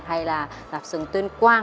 hay là lạp sườn tuyên quang